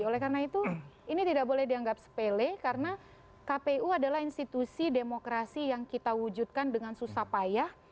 oleh karena itu ini tidak boleh dianggap sepele karena kpu adalah institusi demokrasi yang kita wujudkan dengan susah payah